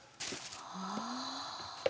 ああ。